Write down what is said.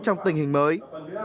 trong tình hình mới